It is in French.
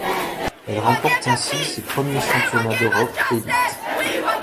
Elle remporte ainsi ces premiers championnats d'Europe élites.